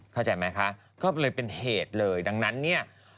เข้าใจไหมคะก็เลยเป็นเหตุเลยดังนั้นเนี่ย